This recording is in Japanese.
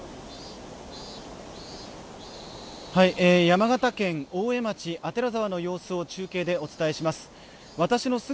山形県大江町左沢の様子を中継でお伝えします